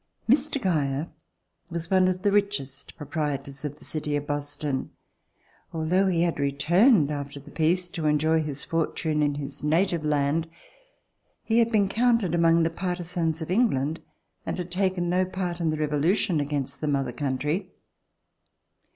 Mr. Geyer was one of the richest proprietors of the city of Boston. Although he had returned after the peace to enjoy his fortune in his native land, he had been counted among the partisans of England, and had taken no part in the Revolution against the Mother Country.